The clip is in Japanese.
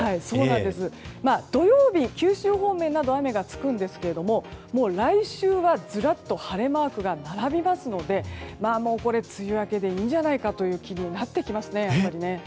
土曜日、九州方面など雨がつくんですけど来週はずらっと晴れマークが並びますので梅雨明けでいいんじゃないかという気になってきますね。